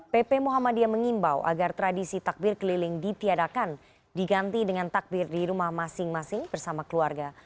pp muhammadiyah mengimbau agar tradisi takbir keliling ditiadakan diganti dengan takbir di rumah masing masing bersama keluarga